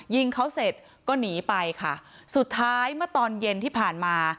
ยิงเขาเสร็จก็หนีไปค่ะสุดท้ายเมื่อตอนเย็นที่ผ่านมา